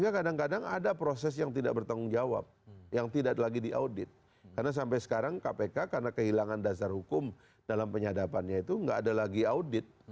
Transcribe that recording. karena sampai sekarang kpk karena kehilangan dasar hukum dalam penyadapannya itu gak ada lagi audit